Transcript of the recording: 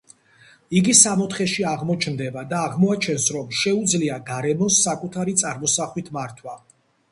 იგი სამოთხეში აღმოჩნდება და აღმოაჩენს, რომ შეუძლია გარემოს საკუთარი წარმოსახვით მართვა.